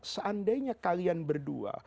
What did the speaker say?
seandainya kalian berdua